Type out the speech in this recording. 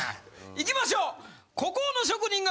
いきましょう！